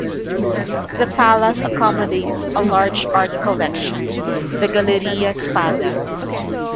The palace accommodates a large art collection, the Galleria Spada.